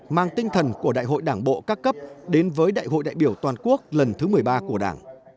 mang tinh thần của đại hội đảng bộ các cấp đến với đại hội đại biểu toàn quốc lần thứ một mươi ba của đảng